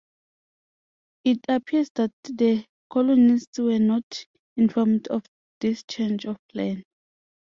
It appears that the colonists were not informed of this change of plan.